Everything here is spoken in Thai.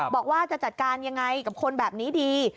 บอกว่าจะจัดการยังไงกับคนแบบนี้ดี